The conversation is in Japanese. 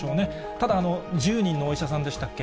ただ、１０人のお医者さんでしたっけ？